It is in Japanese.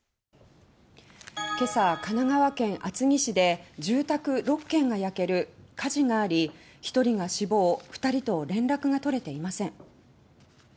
今朝、神奈川県厚木市で住宅６軒が焼ける火事があり１人が死亡２人と連絡が取れていません。